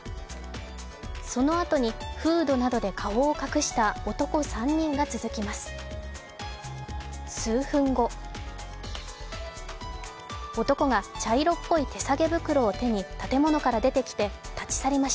そのあとにフードなどで顔を隠した男３人が続きます。